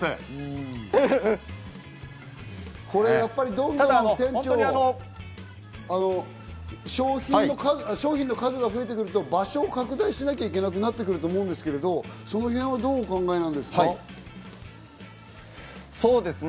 これやっぱり、商品の数が増えてくると、場所を拡大しなきゃいけなくなってくると思うんですけど、その辺はどうそうですね。